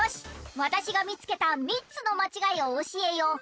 わたしがみつけた３つのまちがいをおしえよう！